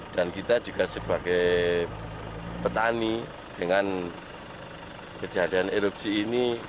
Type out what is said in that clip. dan kita juga sebagai petani dengan kejadian erupsi ini